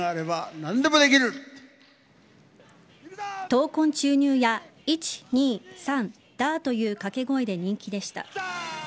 闘魂注入や１、２、３、ダーという掛け声で人気でした。